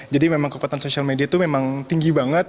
jadi memang kekuatan social media itu memang tinggi banget